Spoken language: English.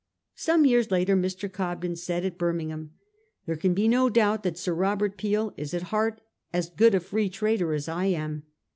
Some years later Mr. Cobden said at Birmingham, ' There can be no doubt that Sir Robert Peel is, at heart, as good a Free Trader as I am.